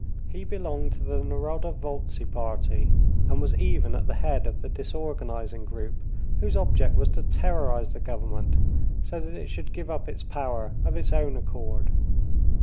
He belonged to the Narodovoltzy party, and was even at the head of the disorganising group, whose object was to terrorise the government so that it should give up its power of its own accord.